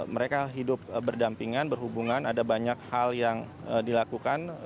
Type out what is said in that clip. mereka hidup berdampingan berhubungan ada banyak hal yang dilakukan